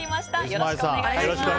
よろしくお願いします。